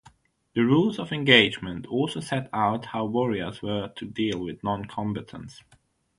The rules of engagement also set out how warriors were to deal with noncombatants.